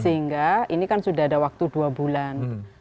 sehingga ini kan sudah ada waktu dua bulan